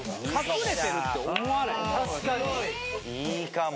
いいかも。